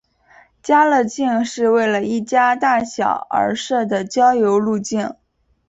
家乐径是为了一家大小而设的郊游路径。